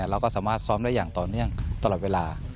เราก็สามารถซ้อมได้อย่างต่อเนื่องตลอดเวลา